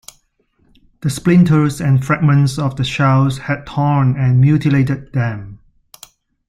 The splinters and fragments of the shells had torn and mutilated them.